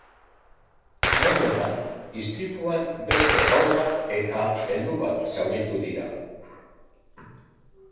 Gainera, istripuan beste haur bat eta heldu bat zauritu dira.